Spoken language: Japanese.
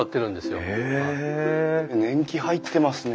年季入ってますね。